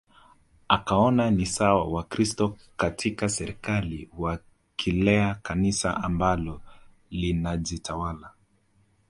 Akaona ni sawa Wakristo katika serikali wakilea Kanisa ambalo linajitawala